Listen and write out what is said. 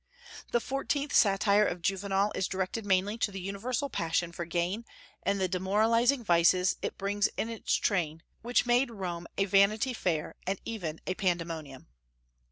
The fourteenth satire of Juvenal is directed mainly to the universal passion for gain and the demoralizing vices it brings in its train, which made Rome a Vanity Fair and even a Pandemonium.